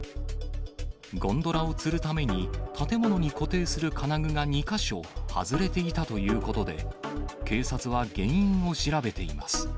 ゴンドラをつるために建物に固定する金具が２か所外れていたということで、警察は原因を調べています。